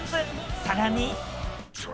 さらに。